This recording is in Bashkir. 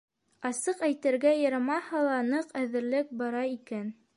Асыҡ әйтергә ярамаһа ла, ныҡ әҙерлек бара икән.